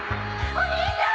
お兄さん！